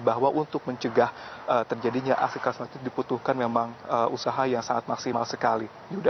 bahwa untuk mencegah terjadinya aksi kekerasan itu diputuhkan memang usaha yang sangat maksimal sekali